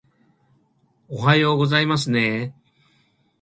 おはようございますねー